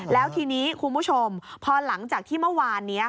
แล้วทีนี้คุณผู้ชมพอหลังจากที่เมื่อวานนี้